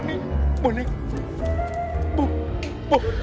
tidak bisa diberikan buah buahan